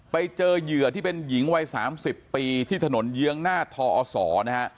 ไปเจอเหยื่อที่เป็นหญิงวัย๓๐ปีที่ถนนเยื้องหน้าทอศนะฮะ